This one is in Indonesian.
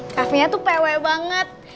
cafe nya tuh pewe banget